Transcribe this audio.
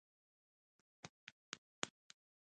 هغه اس ته د ځغاستې تمرین ورکاوه.